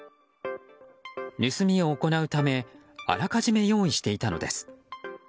盗みを行うためあらかじめ用意していたのです。